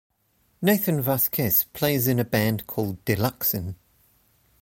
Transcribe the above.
Nathan Vasquez plays in a band called Deluxin.